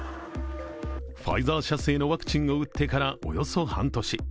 ファイザー社製のワクチンを打ってからおよそ半年。